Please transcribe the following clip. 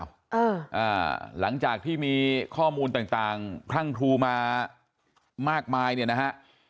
อ่าอ่าหลังจากที่มีข้อมูลต่างต่างพรั่งครูมามากมายเนี่ยนะฮะ